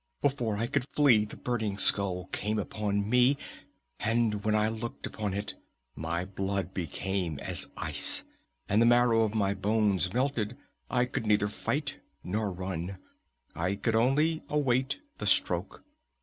Before I could flee, the Burning Skull came upon me, and when I looked upon it my blood became as ice and the marrow of my bones melted. I could neither fight nor run. I could only await the stroke.